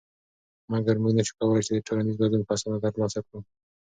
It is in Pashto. مګر موږ نشو کولی چې ټولنیز بدلون په اسانه تر لاسه کړو.